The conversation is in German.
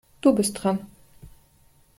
Du bist dran.